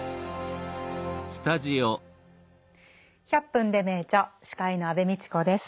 「１００分ｄｅ名著」司会の安部みちこです。